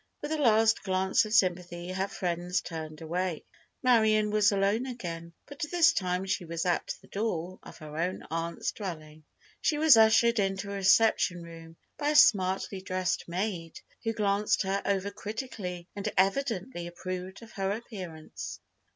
With a last glance of sympathy her friends turned away. Marion was alone again, but this time she was at the door of her own aunt's dwelling. She was ushered into a reception room by a smartly dressed maid, who glanced her over critically and evidently approved of her appearance.